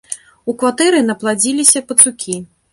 У кватэры напладзіліся пацукі.